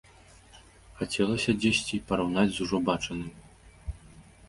Хацелася дзесьці і параўнаць з ужо бачаным.